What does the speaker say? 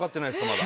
まだ。